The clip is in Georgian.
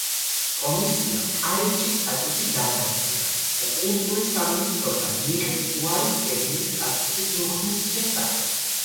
კომისიამ კარიბჭის სტატუსი დაადასტურა და კულტურის სამინისტროდან მიიღეს უარის წერილი სტატუსის მოხსნის შესახებ.